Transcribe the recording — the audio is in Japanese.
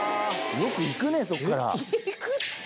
よく行くねそっから。